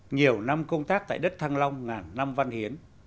nhiều năm công tác tại đất thăng long ngàn năm văn hiến